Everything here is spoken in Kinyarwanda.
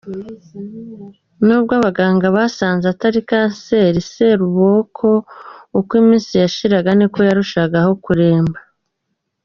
Nubwo abaganga basanze atari kanseri, Serubogo uko iminsi yashiraga niko yarushagaho kuremba.